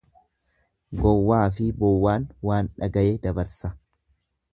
Gowwaafi bowwaan waan dhagaye dabarsa.